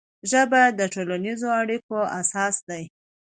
ژبه د ټولنیزو اړیکو اساس دی